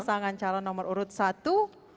pasangan calon nomor urut satu